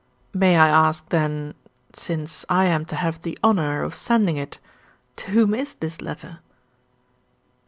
"May I ask, then since I am to have the honour of sending it to whom is this letter?"